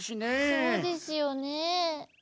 そうですよね。